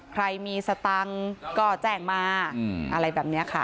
ใครมีสตังค์ก็แจ้งมาอะไรแบบนี้ค่ะ